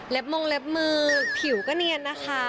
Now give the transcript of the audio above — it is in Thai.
มงเล็บมือผิวก็เนียนนะคะ